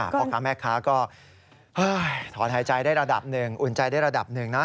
พ่อค้าแม่ค้าก็ถอนหายใจได้ระดับหนึ่งอุ่นใจได้ระดับหนึ่งนะ